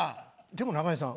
でも中西さん